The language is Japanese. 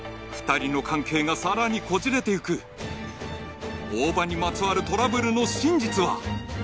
２人の関係がさらにこじれていく大庭にまつわるトラブルの真実は？